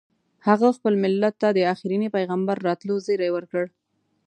هغه خپل ملت ته د اخرني پیغمبر راتلو زیری ورکړ.